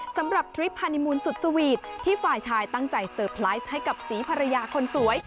ทริปฮานิมูลสุดสวีทที่ฝ่ายชายตั้งใจเซอร์ไพรส์ให้กับศรีภรรยาคนสวย